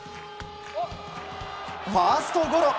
ファーストゴロ。